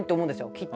きっと。